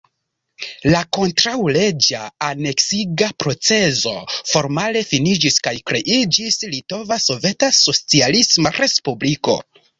La kontraŭleĝa aneksiga procezo formale finiĝis kaj kreiĝis Litova Soveta Socialisma Respubliko.